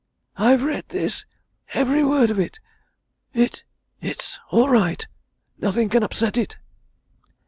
I've read this, every word of it it's all right. Nothing can upset it."